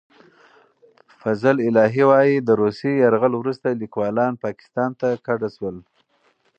فضل الهي وايي، د روسي یرغل وروسته لیکوالان پاکستان ته کډه شول.